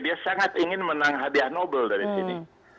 dia sangat ingin menang hadiah nobel dari sini